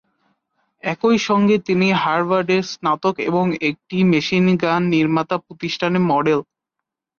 একই সঙ্গে তিনি হার্ভার্ডের স্নাতক এবং একটি মেশিন গান নির্মাতা প্রতিষ্ঠানের মডেল।